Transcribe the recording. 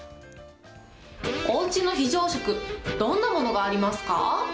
おうちの非常食、どんなものがありますか？